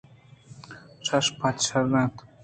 شش بج شر اِنت